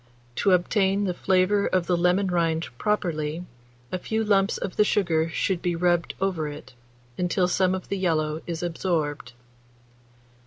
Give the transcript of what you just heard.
To obtain the flavour of the lemon rind properly, a few lumps of the sugar should be rubbed over it, until some of the yellow is absorbed.